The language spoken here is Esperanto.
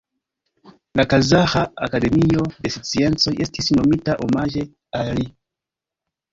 La Kazaĥa Akademio de Sciencoj estis nomita omaĝe al li.